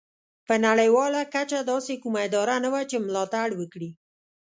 په نړیواله کچه داسې کومه اداره نه وه چې ملاتړ وکړي.